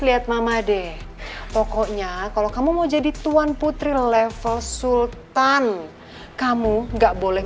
lihat mama deh pokoknya kalau kamu mau jadi tuan putri level sultan kamu nggak boleh